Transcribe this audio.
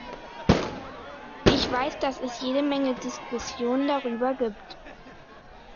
Ich weiß, dass es jede Menge Diskussionen darüber gibt.